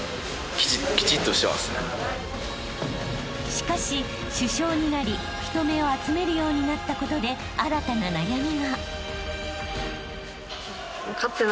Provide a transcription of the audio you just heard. ［しかし主将になり人目を集めるようになったことで新たな悩みが］